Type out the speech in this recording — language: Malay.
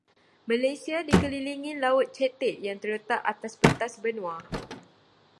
Malaysia dikelilingi laut cetek yang terletak atas pentas benua.